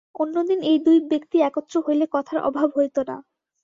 অন্য দিন এই দুই ব্যক্তি একত্র হইলে কথার অভাব হইত না।